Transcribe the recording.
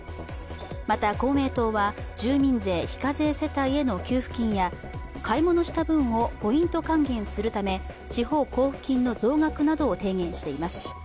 また公明党は住民税非課税世帯への給付金や買い物した分をポイント還元するため地方交付金の増額などを提言しています。